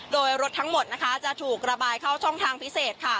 โดยรถทั้งหมดนะคะจะถูกระบายเข้าช่องทางพิเศษค่ะ